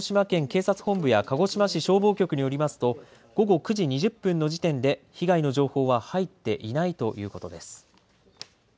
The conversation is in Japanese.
警察本部や鹿児島市消防局によりますと、午後９時２０分の時点で被害の情報は入っていないということです。